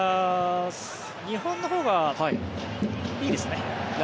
日本のほうがいいですね。